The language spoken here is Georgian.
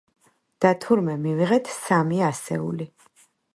და თურმე მივიღეთ სამი ასეული.